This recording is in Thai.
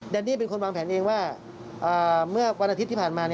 ดี้เป็นคนวางแผนเองว่าเมื่อวันอาทิตย์ที่ผ่านมา